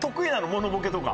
モノボケとか。